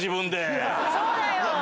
そうだよ！